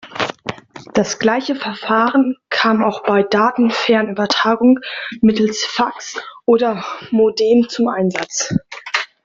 Das gleiche Verfahren kam auch bei Datenfernübertragung mittels Fax oder Modem zum Einsatz.